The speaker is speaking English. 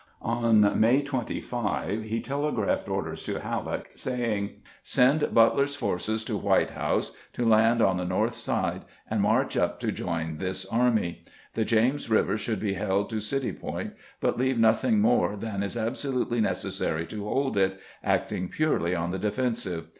On May 25 he telegraphed orders to Halleck, say ing :" Send Butler's forces to White House, to land on the north side, and march up to join this army. The James Eiver should be held to City Point, but leave nothing more than is absolutely necessary to hold it, acting purely on the defensive.